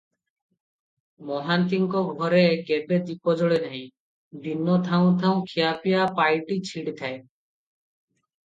ମହାନ୍ତିଙ୍କ ଘରେ କେବେ ଦୀପ ଜଳେ ନାହିଁ, ଦିନ ଥାଉଁ ଥାଉଁ ଖିଆପିଆ ପାଇଟି ଛିଡ଼ଥାଏ ।